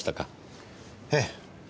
ええ。